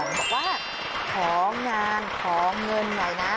บอกว่าของงานของเงินไหนนะ